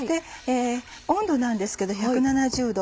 温度なんですけど１７０℃。